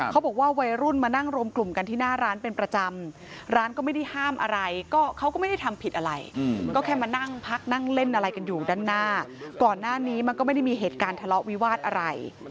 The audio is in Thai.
วัยรุ่นมานั่งรวมกลุ่มกันที่หน้าร้านเป็นประจำร้านก็ไม่ได้ห้ามอะไรก็เขาก็ไม่ได้ทำผิดอะไรก็แค่มานั่งพักนั่งเล่นอะไรกันอยู่ด้านหน้าก่อนหน้านี้มันก็ไม่ได้มีเหตุการณ์ทะเลาะวิวาสอะไร